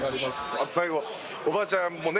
あと最後おばあちゃんもね